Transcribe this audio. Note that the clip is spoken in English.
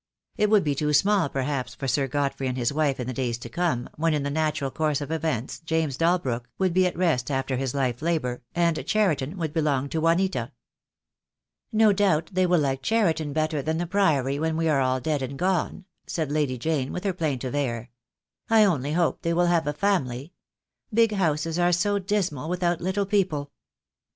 It wTould be too small perhaps for Sir Godfrey and his wife in the days to come, when in the natural course of events James Dalbrook would be at rest after his life labour, and Cheriton would belong to Juanita. "No doubt they will like Cheriton better than the Priory when we are all dead and gone," said Lady Jane, with her plaintive air. "I only hope they will have a family. Big houses are so dismal without little people."